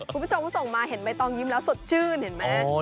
คุณผู้ชมส่งมาเห็นใบตองยิ้มแล้วสดชื่นเห็นไหม